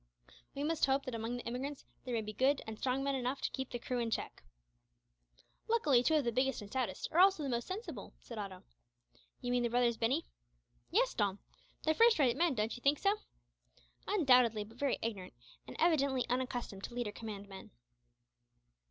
We must hope that among the emigrants there may be good and strong men enough to keep the crew in check." "Luckily two of the biggest and stoutest are also the most sensible," said Otto. "You mean the brothers Binney?" "Yes, Dom. They're first rate men, don't you think so?" "Undoubtedly; but very ignorant, and evidently unaccustomed to lead or command men."